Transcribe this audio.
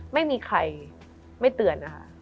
ไม่มีใครไม่เตือนนะคะ